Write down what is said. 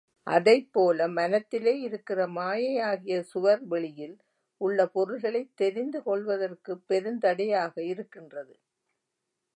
அதைப்போல மனத்திலே இருக்கிற மாயையாகிய சுவர் வெளியில் உள்ள பொருள்களைத் தெரிந்து கொள்வதற்குப் பெருந்தடையாக இருக்கின்றது.